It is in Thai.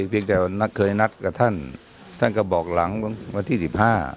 เพียงแต่เคยนัดกับท่านท่านก็บอกหลังวันที่สิบห้า